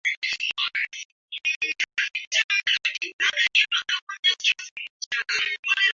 Kapitaani n'agamba nti Ndowooza yeesudde mu nnyanja!